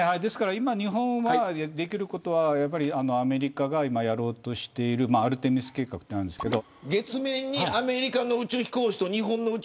日本ができることはアメリカがやろうとしているアルテミス計画があるんですけれど。